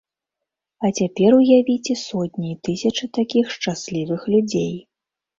А цяпер уявіце сотні і тысячы такіх шчаслівых людзей.